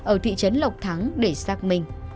ở thị trấn lộc thắng để xác mình